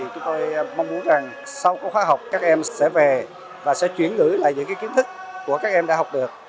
chúng tôi mong muốn rằng sau các khóa học các em sẽ về và sẽ chuyển gửi lại những kiến thức của các em đã học được